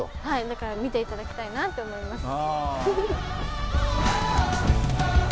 だから見ていただきたいなって思います。